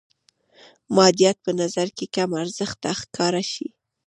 مادیات په نظر کې کم ارزښته ښکاره شي.